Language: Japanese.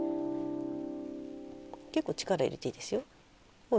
結構力入れていいですよ。